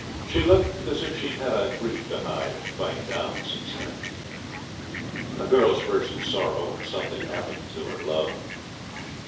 She looked as if she'd had a grief to hide and fight down since then. A girl's first sorrow when something happened to her love!